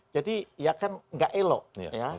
jadi ya kan gak elok ya